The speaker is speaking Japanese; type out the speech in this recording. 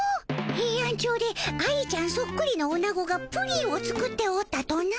ヘイアンチョウで愛ちゃんそっくりのおなごがプリンを作っておったとな？